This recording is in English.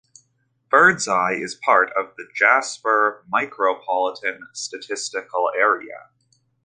Birdseye is part of the Jasper Micropolitan Statistical Area.